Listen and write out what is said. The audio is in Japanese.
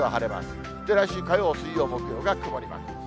そして来週火曜、水曜、木曜が曇りマーク。